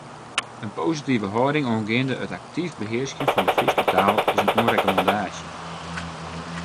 In positive hâlding oangeande it aktyf behearskjen fan de Fryske taal is in oanrekommandaasje.